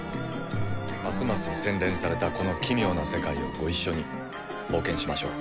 ますます洗練されたこの奇妙な世界をご一緒に冒険しましょう。